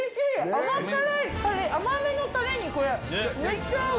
甘辛い、甘めのたれに、これ、めっちゃ合う。